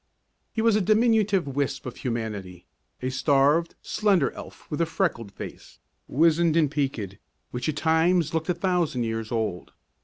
He was a diminutive wisp of humanity, a starved, slender elf with a freckled face, wizened and peaked, which at times looked a thousand years old.